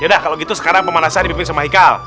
yaudah kalau gitu sekarang pemanasan dipimpin sama hikal